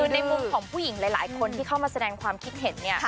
คือในมุมของผู้หญิงหลายคนที่เข้ามาแสดงความคิดเห็นเนี่ย